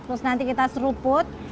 terus nanti kita seruput